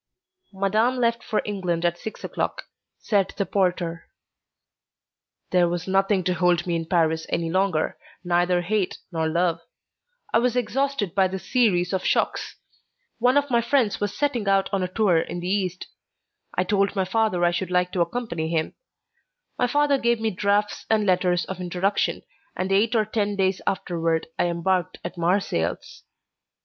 "Madame left for England at six o'clock," said the porter. There was nothing to hold me in Paris any longer, neither hate nor love. I was exhausted by this series of shocks. One of my friends was setting out on a tour in the East. I told my father I should like to accompany him; my father gave me drafts and letters of introduction, and eight or ten days afterward I embarked at Marseilles.